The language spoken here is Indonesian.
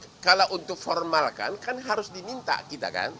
nah kalau untuk formalkan kan harus diminta kita kan